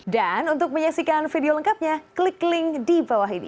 dan untuk menyaksikan video lengkapnya klik link di bawah ini